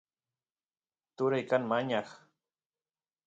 turay kan mañaq